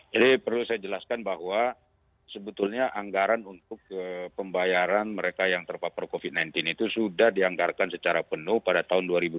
jadi perlu saya jelaskan bahwa sebetulnya anggaran untuk pembayaran mereka yang terpapar covid sembilan belas itu sudah dianggarkan secara penuh pada tahun dua ribu dua puluh